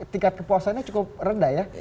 tingkat kepuasannya cukup rendah ya